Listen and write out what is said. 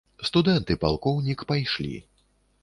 Студэнт і палкоўнік пайшлі.